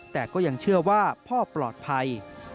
แต่ก็ยังเชื่อว่าพ่อปลอดภัย